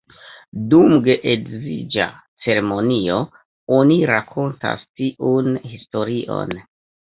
Dum geedziĝa ceremonio, oni rakontas tiun historion.